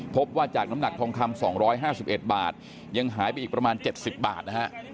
พบว่าจากน้ำหนักทองคำ๒๕๑บาทยังหายไปอีกประมาณ๗๐บาทนะฮะ